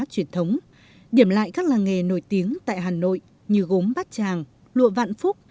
truyền thống điểm lại các làng nghề nổi tiếng tại hà nội như gốm bát tràng lụa vạn phúc